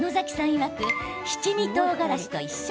いわく七味とうがらしと一緒。